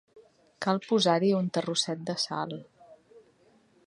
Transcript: Cal posar-hi un terrosset de sal.